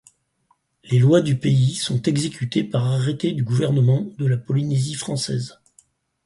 Les lois du pays sont exécutées par arrêté du gouvernement de la Polynésie française.